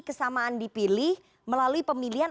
kesamaan dipilih melalui pemilihan